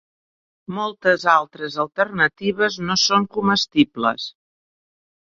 Moltes altres alternatives no són comestibles.